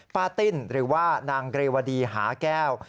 ป้าติ้นหรือว่านางเรวดีหาแก้ว